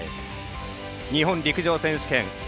日本陸上選手権。